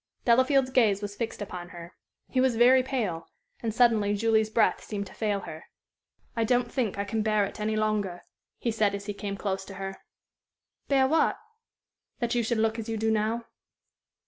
Delafield's gaze was fixed upon her. He was very pale, and suddenly Julie's breath seemed to fail her. "I don't think I can bear it any longer," he said, as he came close to her. "Bear what?" "That you should look as you do now."